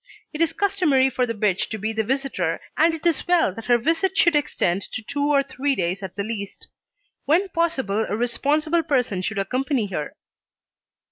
It is customary for the bitch to be the visitor, and it is well that her visit should extend to two or three days at the least. When possible a responsible person should accompany her.